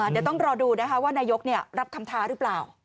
เดี๋ยวต้องรอดูนะคะว่านายกรับคำท้าหรือเปล่า